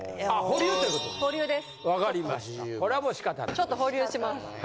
ちょっと保留します。